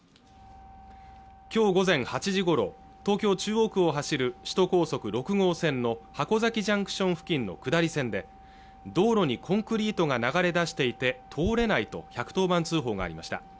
今日午前８時ごろ東京中央区を走る首都高速６号線の箱崎ジャンクション付近の下り線で道路にコンクリートが流れ出していて通れないと１１０番通報がありました